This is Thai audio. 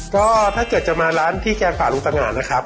ก็ถ้าเกิดจะมาร้านที่แกงป่าลุงตะงานนะครับ